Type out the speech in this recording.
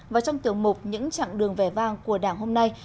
và trong tiểu mục những chặng đường vẻ vang của đảng hôm nay